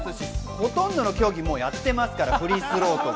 ほとんどの競技、もうやってますから、フリースローとか。